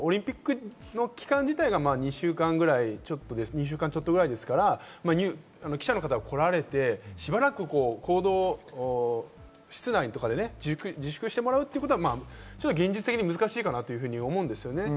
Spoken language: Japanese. あとはオリンピックの期間自体は２週間ちょっとくらいですから、記者の方が来られて、しばらく室内で自粛してもらうというのは現実的に難しいかなと思うんです。